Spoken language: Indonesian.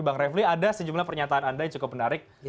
bang refli ada sejumlah pernyataan anda yang cukup menarik